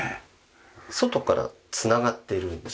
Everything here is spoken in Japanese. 外から繋がってるんです。